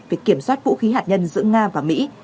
về kiểm soát vũ khí hạt nhân giữa nga và mỹ